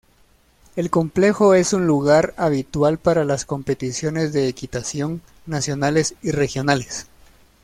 El complejo es un lugar habitual para las competiciones de equitación nacionales y regionales.